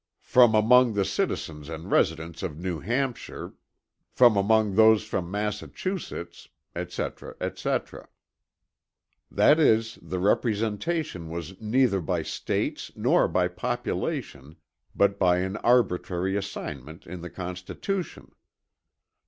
"From among the citizens and residents of New Hampshire" "from among those from Massachusetts" etc., etc. That is the representation was neither by States nor by population but by an arbitrary assignment in the Constitution.